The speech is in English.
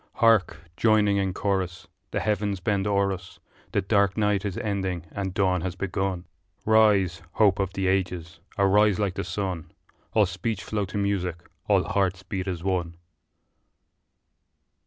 Hark! joining in chorus The heavens bend o'er us' The dark night is ending and dawn has begun; Rise, hope of the ages, arise like the sun, All speech flow to music, all hearts beat as one!